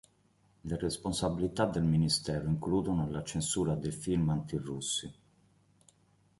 Le responsabilità del ministero includono la censura dei film anti-russi.